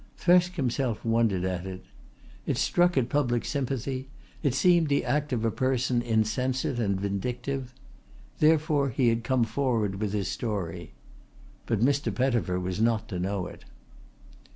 Thresk himself wondered at it. It struck at public sympathy, it seemed the act of a person insensate and vindictive. Therefore he had come forward with his story. But Mr. Pettifer was not to know it.